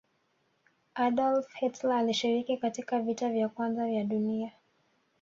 hdolf Hilter alishiriki katika vita ya kwanza ya dunia